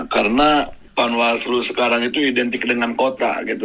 karena panwaslu sekarang itu identik dengan kota gitu